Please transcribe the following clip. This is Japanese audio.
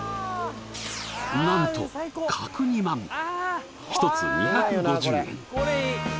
なんと角煮まん一つ２５０円